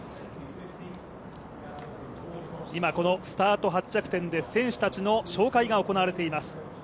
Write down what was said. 今このスタート発着点で、選手たちの紹介が行われています。